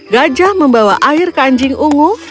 gajah membawa air ke anjing ungu